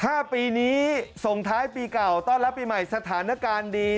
ถ้าปีนี้ส่งท้ายปีเก่าต้อนรับปีใหม่สถานการณ์ดี